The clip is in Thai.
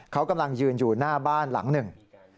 เขากำลังยืนอยู่หน้าบ้านหลังหนึ่ง